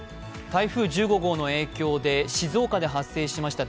台風１５号の影響で静岡で発生しました